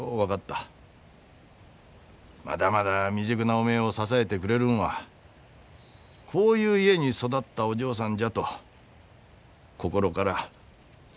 まだまだ未熟なおめえを支えてくれるんはこういう家に育ったお嬢さんじゃと心からそねえに思えた。